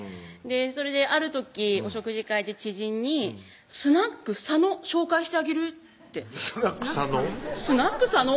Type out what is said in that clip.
それである時お食事会で知人に「スナック佐の紹介してあげる」ってスナック佐の？